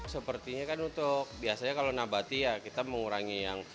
sepertinya kan untuk biasanya kalau nabati ya kita mengurangi yang